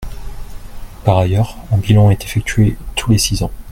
Par ailleurs, un bilan est effectué tous les six ans.